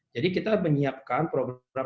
jadi kita menyiapkan program